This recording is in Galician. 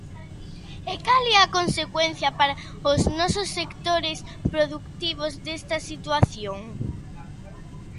¿E cal é a consecuencia para os nosos sectores produtivos desta situación?